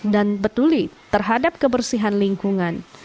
dan peduli terhadap kebersihan lingkungan